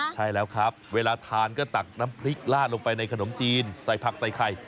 ใช่แล้วครับเวลาทานก็ตักน้ำพริกลาดลงไปในขนมจีนใส่ผักใส่ไข่